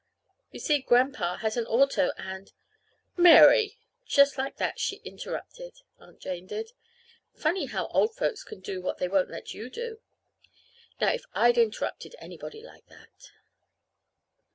"You see, Grandpa has an auto, and " "Mary!" just like that she interrupted Aunt Jane did. (Funny how old folks can do what they won't let you do. Now if I'd interrupted anybody like that!)